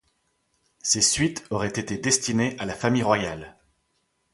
Ces suites auraient été destinées à la famille royale.